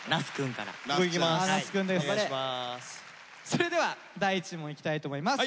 それでは第１問いきたいと思います。